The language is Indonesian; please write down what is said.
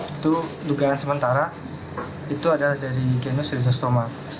itu dugaan sementara itu adalah dari genus rhizostoma